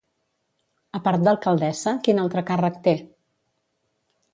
A part d'alcaldessa, quin altre càrrec té?